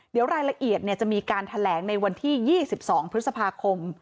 เดี๋ยวรายละเอียดเนี่ยจะมีการแถลงในวันที่ยี่สิบสองพฤษภาคม